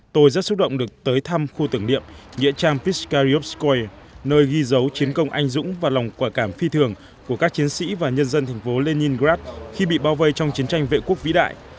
tôi rất xúc động được tới thăm khu tưởng niệm nghĩa trang pistar riopskoy nơi ghi dấu chiến công anh dũng và lòng quả cảm phi thường của các chiến sĩ và nhân dân thành phố leningrad khi bị bao vây trong chiến tranh vệ quốc vĩ đại